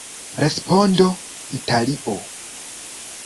Respondo: Italio!